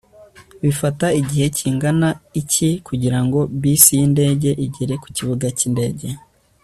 bifata igihe kingana iki kugirango bisi yindege igere ku kibuga cyindege